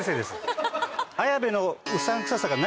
⁉綾部の。